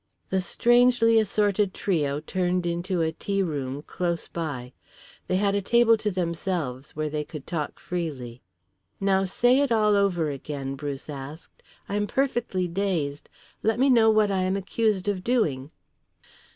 The strangely assorted trio turned into a tea room close by. They had a table to themselves where they could talk freely. "Now say it all over again," Bruce asked. "I am perfectly dazed. Let me know what I am accused of doing."